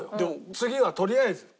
次はとりあえず。